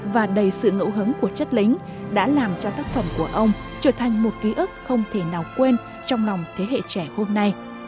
và đầy sự ngẫu hứng của chất lính đã làm cho tác phẩm của ông trở thành một ký ức không thể nào quên trong lòng thế hệ trẻ hôm nay